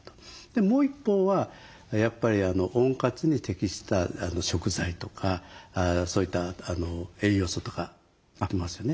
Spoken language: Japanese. もう一方はやっぱり温活に適した食材とかそういった栄養素とかありますよね。